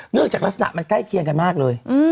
จากลักษณะมันใกล้เคียงกันมากเลย